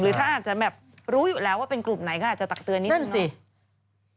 ท่านอาจจะแบบรู้อยู่แล้วว่าเป็นกลุ่มไหนก็อาจจะตักเตือนนิดนึงสิ